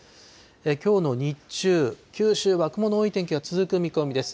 きょうの日中、九州は雲の多い天気が続く見込みです。